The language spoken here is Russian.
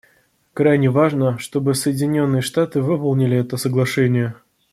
Крайне важно, чтобы Соединенные Штаты выполнили это соглашение.